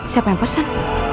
siapa yang pesan